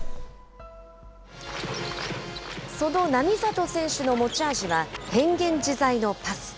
その並里選手の持ち味は、変幻自在のパス。